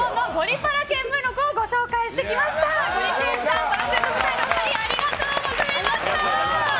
パラシュート部隊のお二人ありがとうございました。